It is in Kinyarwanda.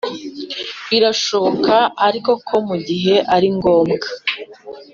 birashoboka ariko ko mu gihe ari ngombwa